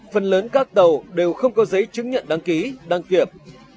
phần lớn các tàu đều không có giấy chứng nhận đăng ký đăng kiểm